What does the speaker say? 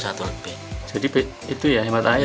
jadi itu ya hemat air